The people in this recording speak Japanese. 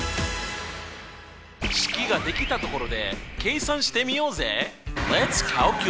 式ができたところで計算してみようぜ！